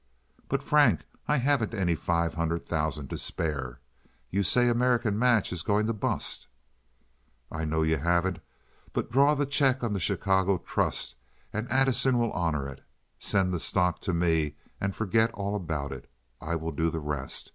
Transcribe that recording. "But, Frank, I haven't any five hundred thousand to spare. You say American Match is going to bust." "I know you haven't, but draw the check on the Chicago Trust, and Addison will honor it. Send the stock to me and forget all about it. I will do the rest.